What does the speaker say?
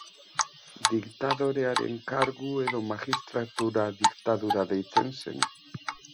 Diktadorearen kargu edo magistratura diktadura deitzen zen.